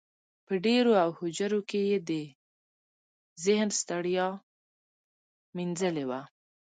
په دېرو او هوجرو کې یې د ذهن ستړیا مینځلې وه.